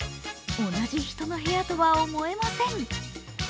同じ人の部屋とは思えません。